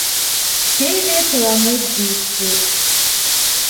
Теве тыланет диспут!